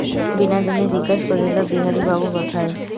বিনোদিনী জিজ্ঞাসা করিল, বিহারীবাবু কোথায়!